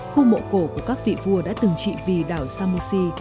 khu mộ cổ của các vị vua đã từng trị vì đảo samoshi